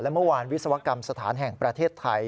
เมื่อวานวิศวกรรมสถานแห่งประเทศไทย